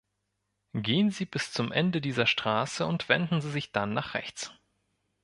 Gehen Sie bis zum Ende dieser Strasse und wenden Sie sich dann nach rechts.